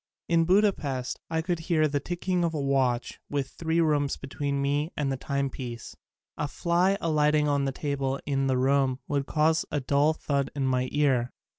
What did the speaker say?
In Budapest I could hear the ticking of a watch with three rooms between me and the time piece. A fly alighting on a table in the room would cause a dull thud in my ear.